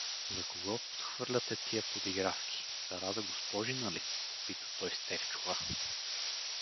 — За кого подхвърляте тия подигравки, за Рада Госпожина ли? — попита той Стефчова.